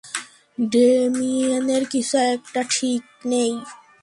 ডেমিয়েনের কিছু একটা ঠিক নেই!